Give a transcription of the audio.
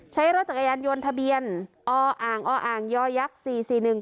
ใช้รถจักรยานยนต์ทะเบียนออ่างออ่างยอยักษ์สี่สี่หนึ่ง